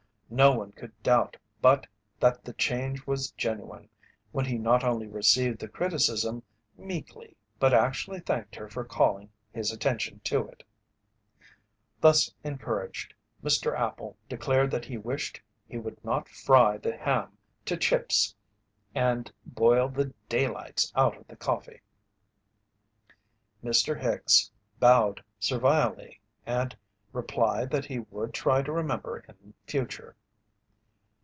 No one could doubt but that the change was genuine when he not only received the criticism meekly but actually thanked her for calling his attention to it. Thus encouraged, Mr. Appel declared that he wished he would not fry the ham to chips and boil the "daylights" out of the coffee. Mr. Hicks bowed servilely and replied that he would try to remember in future.